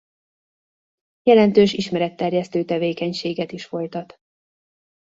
Jelentős ismeretterjesztő tevékenységet is folytat.